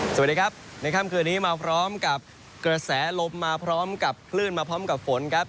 สวัสดีครับในค่ำคืนนี้มาพร้อมกับกระแสลมมาพร้อมกับคลื่นมาพร้อมกับฝนครับ